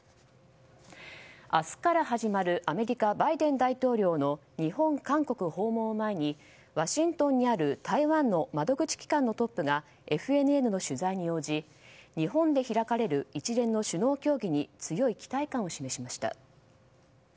明日から始まるアメリカ、バイデン大統領の日本、韓国訪問を前にワシントンにある台湾の窓口機関のトップがＦＮＮの取材に応じ日本で開かれる一連の首脳協議に強い期待感を示しました。